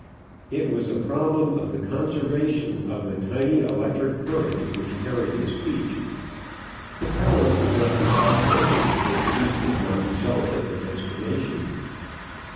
It was a problem of the conservation of the tiny electric current which carried the speech. The power could not be augmented or speech would not result at the destination.